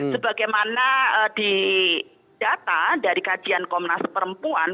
sebagaimana di data dari kajian komnas perempuan